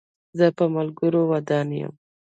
زه په ملګرو ودان یم.